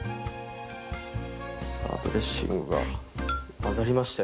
さあドレッシングが混ざりましたよ